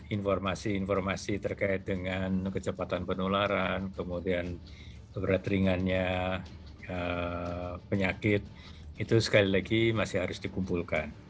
informasi informasi terkait dengan kecepatan penularan kemudian berat ringannya penyakit itu sekali lagi masih harus dikumpulkan